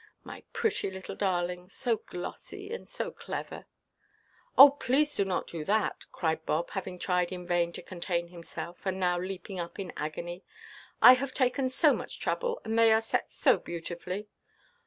My pretty little darlings; so glossy, and so clever!" "Oh, please not to do that," cried Bob, having tried in vain to contain himself, and now leaping up in agony; "I have taken so much trouble, and they are set so beautifully."